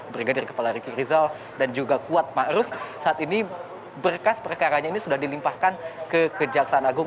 brigadir kepala riki rizal dan juga kuat ma'ruf saat ini berkas perkaranya ini sudah dilimpahkan kekejaksaan agung